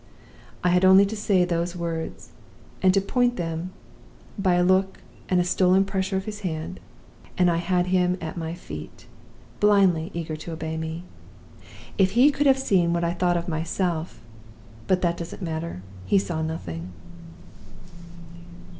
I had only to say those words, and to point them by a look and a stolen pressure of his hand, and I had him at my feet, blindly eager to obey me. If he could have seen what I thought of myself; but that doesn't matter: he saw nothing.